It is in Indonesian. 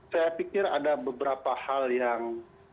saya pikir ada beberapa hal yang